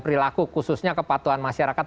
perilaku khususnya kepatuhan masyarakat